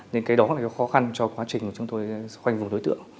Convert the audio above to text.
nên cái đó là cái khó khăn cho quá trình mà chúng tôi khoanh vùng đối tượng